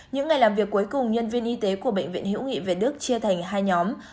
những ngày làm việc cuối cùng nhân viên y tế của bệnh viện hữu nghị việt đức chia thành hai nhóm